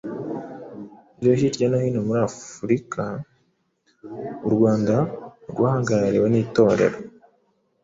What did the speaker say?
yo hirya no hino muri Afurika, u Rwanda rwahagarariwe n’itorero